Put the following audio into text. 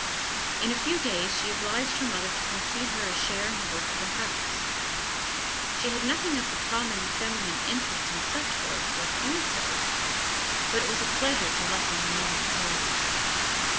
In a few days she obliged her mother to concede to her a share in the work of the house. She had nothing of the common feminine interest in such work for its own sake, but it was a pleasure to lessen her mother's toil.